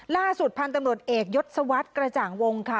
ล่าสุดพันธุ์ตำรวจเอกยศวรรษกระจ่างวงค่ะ